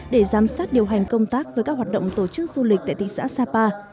để giám sát điều hành công tác với các hoạt động tổ chức du lịch tại thị xã sapa